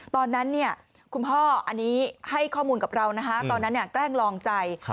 ตอนนั้นคุณพ่อให้ข้อมูลกับเราตอนนั้นแกล้งลองใจ